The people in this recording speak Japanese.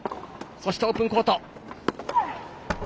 そしてオープンコート